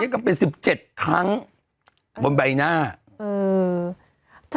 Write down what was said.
ศัลยกรรมเป็น๑๗ครั้งบนใบหน้าอือ